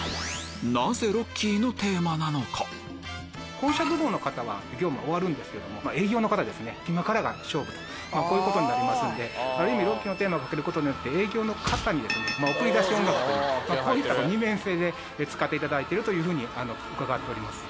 本社部門の方は業務が終わるんですけども営業の方は今からが勝負とこういうことになりますので『ロッキー』のテーマかけることで営業の方に送り出し音楽という二面性で使っていただいてると伺っております。